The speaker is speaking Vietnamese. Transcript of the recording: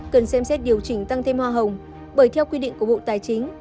cần xem xét điều chỉnh tăng thêm hoa hồng bởi theo quy định của bộ tài chính